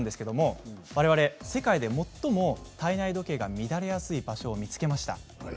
われわれは世界で最も体内時計が乱れやすい場所を見つけました。